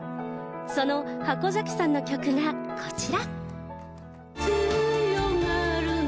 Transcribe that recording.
その箱崎さんの曲がこちら。